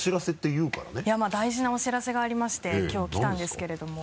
いやまぁ大事なお知らせがありましてきょう来たんですけれども。